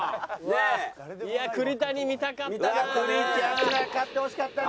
いや栗谷見たかったな。